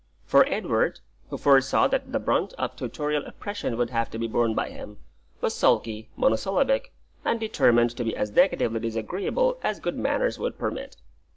For Edward, who foresaw that the brunt of tutorial oppression would have to be borne by him, was sulky, monosyllabic, and determined to be as negatively disagreeable as good manners would permit.